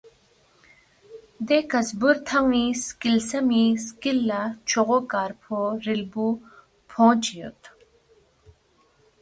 دے کزبُور تھن٘ی سِکل ژھمی سِکل لہ چھوغو کارفو ریلبُو فونگ چی یود